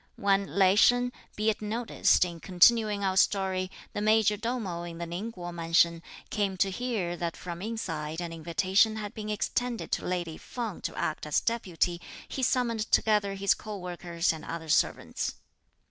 When Lai Sheng, be it noticed in continuing our story, the major domo in the Ning Kuo mansion, came to hear that from inside an invitation had been extended to lady Feng to act as deputy, he summoned together his co workers and other servants.